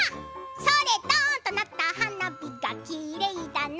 それ、ドン！となった花火がきれいだな。